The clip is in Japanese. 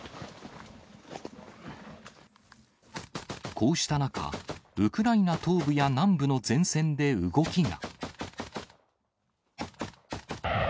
こうした中、ウクライナ東部や南部の前線で動きが。